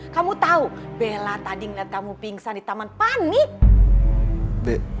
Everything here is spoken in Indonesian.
kamu tahu bella tadi ngeliat kamu pingsan di taman panik